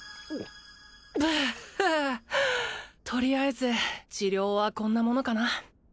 とりあえず治療はこんなものかな